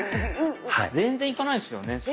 全然いかないですよね？